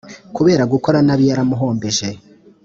kubera gukora nabi yaramuhombeje